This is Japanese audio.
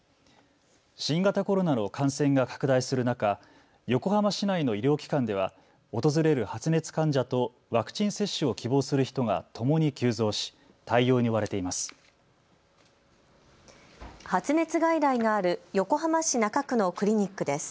新型コロナの感染が拡大する中、横浜市内の医療機関では訪れる発熱患者とワクチン接種を希望する人がともに急増し対応に追われています。